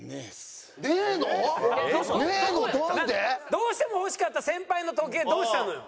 どうしても欲しかった先輩の時計どうしたのよ。